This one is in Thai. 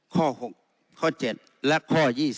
ข้อ๖ข้อ๗และข้อ๒๔